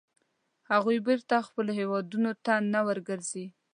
هغوی بېرته خپلو هیوادونو ته نه ورګرځي.